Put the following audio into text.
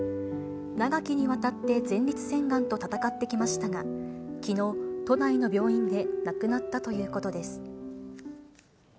長きにわたって前立せんがんと闘ってきましたが、きのう、都内の病院で亡くなったということです。